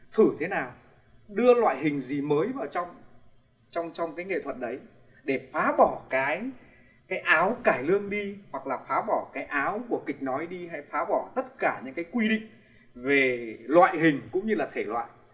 thử thế nào đưa loại hình gì mới vào trong cái nghệ thuật đấy để phá bỏ cái áo cải lương đi hoặc là phá bỏ cái áo của kịch nói đi hay phá bỏ tất cả những cái quy định về loại hình cũng như là thể loại